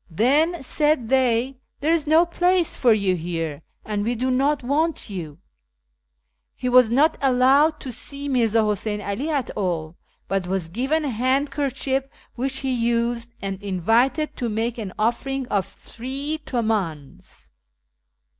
' Then,' said they, ' there is no place for you here, and we do not want you.' He was not allowed to see Mirza Huseyn 'Ali at all, but was given a handkerchief which he had used, and invited to make an offering of three tilmdns.